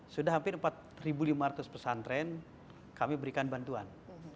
sudah hampir empat lima ratus pesantren kami berikan bantuan